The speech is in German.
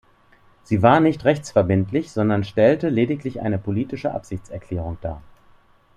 Sie war nicht rechtsverbindlich, sondern stellte lediglich eine politische Absichtserklärung dar.